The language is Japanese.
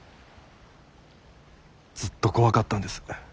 ずっと怖かったんです。